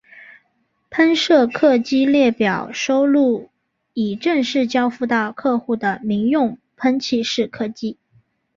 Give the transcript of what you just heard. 喷射客机列表收录已正式交付到客户的民用喷气式客机。